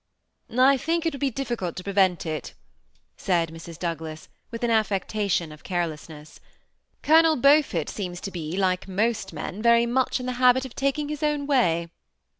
" I think it would be difficult to prevent it," said Mrs. Douglas, with an affectation of carelessness. " Colonel Beaufort seems to be, like most men, very much in the habit of taking his own way."